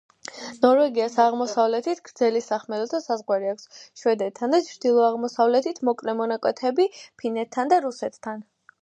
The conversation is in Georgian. ნორვეგიას აღმოსავლეთით გრძელი სახმელეთო საზღვარი აქვს შვედეთთან და ჩრდილო-აღმოსავლეთით მოკლე მონაკვეთები ფინეთთან და რუსეთთან.